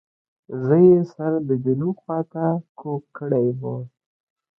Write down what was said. زه یې سر د جنوب خواته کوږ کړی وو.